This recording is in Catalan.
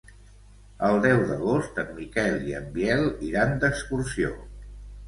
El deu d'agost en Miquel i en Biel iran d'excursió.